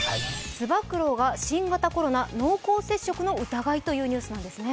つば九郎が新型コロナ濃厚接触の疑いというニュースなんですね。